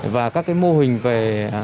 và các mô hình về